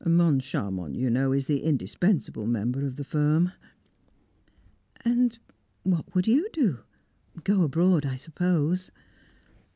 Moncharmont, you know, is the indispensable member of the firm." "And what would you do? Go abroad, I suppose?"